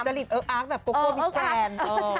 จริงออกแบบโกโกมีแกรน